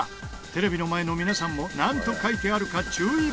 テレビの前の皆さんもなんと書いてあるか注意